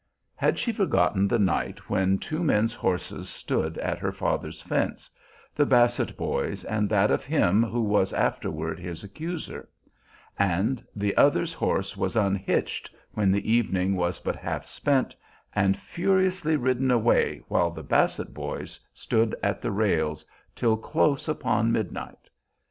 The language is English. Had she forgotten the night when two men's horses stood at her father's fence, the Basset boy's and that of him who was afterward his accuser; and the other's horse was unhitched when the evening was but half spent, and furiously ridden away, while the Basset boy's stood at the rails till close upon midnight?